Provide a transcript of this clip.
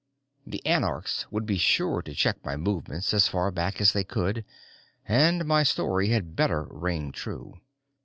The anarchs would be sure to check my movements as far back as they could, and my story had better ring true.